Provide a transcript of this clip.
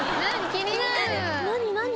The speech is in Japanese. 気になる！